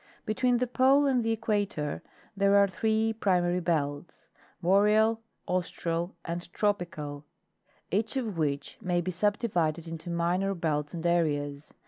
Between the pole and the equator there are three primary belts—Boreal, Austral and Tropical—each of which may be subdivided into minor belts and areas.